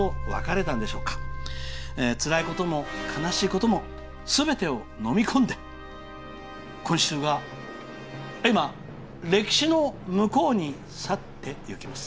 つらいことも悲しいこともすべてをのみ込んで今週が歴史の向こう側へ去っていきます。